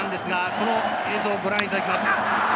この映像をご覧いただきます。